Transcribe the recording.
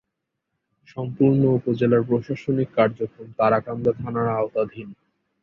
সম্পূর্ণ উপজেলার প্রশাসনিক কার্যক্রম তারাকান্দা থানার আওতাধীন।